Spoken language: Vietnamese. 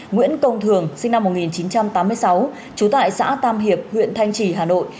nguyễn công thường sinh năm một nghìn chín trăm tám mươi sáu trú tại xã tam hiệp huyện thanh trì hà nội